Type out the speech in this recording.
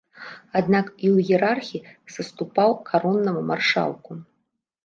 Аднак у іерархіі саступаў кароннаму маршалку.